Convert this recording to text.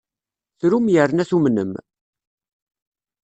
Trum yerna tumnem.